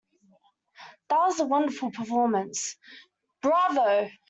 That was a wonderful performance! Bravo!.